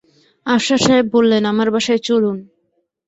আফসার সাহেব বললেন, আমার বাসায় চলুন।